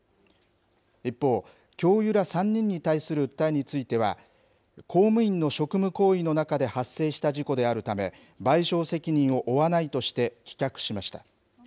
一方、教諭ら３人に対する訴えについては、公務員の職務行為の中で発生した事故で、賠償責任を負わないとして、棄却しました。